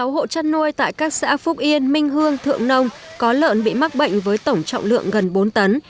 một mươi sáu hộ chăn nôi tại các xã phúc yên minh hương thượng nông có lợn bị mắc bệnh với tổng trọng lượng gần bốn tấn